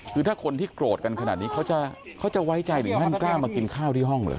คือถ้าคนที่โกรธกันขนาดนี้เขาจะไว้ใจถึงขั้นกล้ามากินข้าวที่ห้องเลย